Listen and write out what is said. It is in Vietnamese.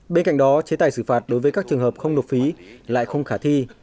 bên cạnh đó chế tài xử phạt đối với các trường hợp không nộp phí lại không khả thi